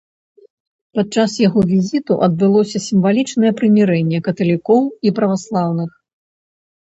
Падчас яго візіту адбылося сімвалічнае прымірэнне каталікоў і праваслаўных.